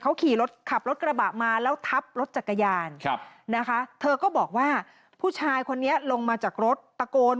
เขาขี่รถขับรถกระบะมาแล้วทับรถจักรยานนะคะเธอก็บอกว่าผู้ชายคนนี้ลงมาจากรถตะโกน